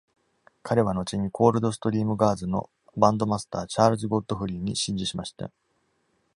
彼は後に、コールドストリーム・ガーズのバンドマスター、チャールズ・ゴッドフリーに師事しました。